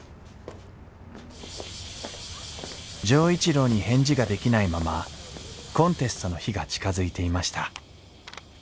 錠一郎に返事ができないままコンテストの日が近づいていました